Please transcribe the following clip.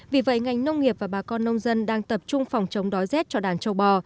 vì vậy ngành nông nghiệp và bà con nông dân đang tập trung phòng chống đói rét cho đàn châu bò